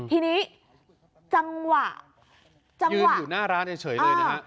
ทีนี้จังหวะจังหวะอยู่หน้าร้านเฉยเลยนะฮะ